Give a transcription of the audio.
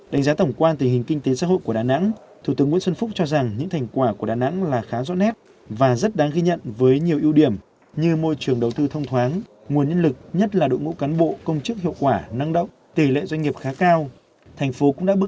đánh giá tổng quan tình hình kinh tế xã hội của đà nẵng thủ tướng nguyễn xuân phúc cho rằng những thành quả của đà nẵng là khá rõ nét và rất đáng ghi nhận với nhiều ưu điểm như môi trường đầu tư thông thoáng nguồn nhân lực nhất là đội ngũ cán bộ công chức hiệu quả năng động tỷ lệ doanh nghiệp khá cao